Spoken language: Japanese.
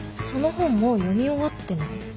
その本もう読み終わってない？